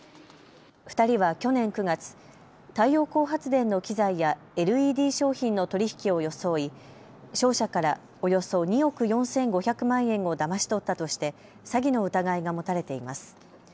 ２人は去年９月、太陽光発電の機材やＬＥＤ商品の取り引きを装い商社からおよそ２億４５００万円をだまし取ったとして詐欺の疑いが持たれています。